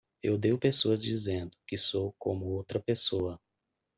Eu odeio pessoas dizendo que sou como outra pessoa.